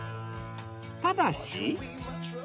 ただし。